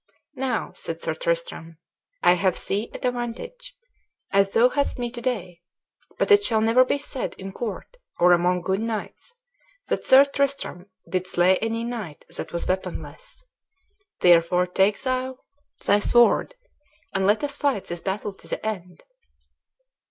"Now," said Sir Tristram, "I have thee at a vantage, as thou hadst me to day; but it shall never be said, in court, or among good knights, that Sir Tristram did slay any knight that was weaponless; therefore take thou thy sword, and let us fight this battle to the end."